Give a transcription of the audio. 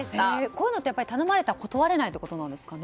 こういうのって頼まれたら断れないということですか？